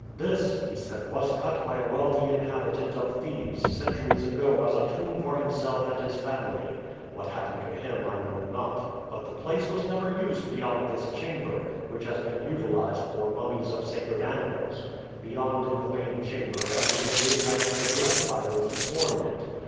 "This," he said, "was cut by a wealthy inhabitant of Thebes centuries ago as a tomb for himself and his family. What happened to him I know not, but the place was never used beyond this chamber, which has been utilized for mummies of sacred animals. Beyond in the main chamber everything is as it was left by those who formed it.